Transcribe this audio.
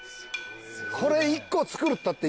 これ１個造るったって